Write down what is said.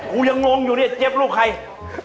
มึงยังงงงอยู่นี่เจ๊ยบรูปใคร